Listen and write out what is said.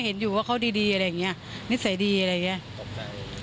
เห็นอยู่ว่าเขาดีอะไรอย่างนี้นิสัยดีอะไรอย่างเงี้ยตกใจ